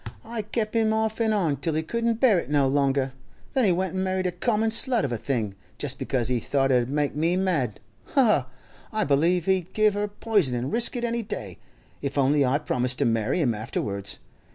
I kep' him off an' on till he couldn't bear it no longer; then he went an' married a common slut of a thing, just because he thought it 'ud make me mad. Ha, ha! I believe he'd give her poison an' risk it any day, if only I promised to marry him afterwards.